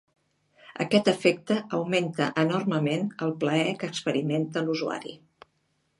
Aquest efecte augmenta enormement el plaer que experimenta l'usuari.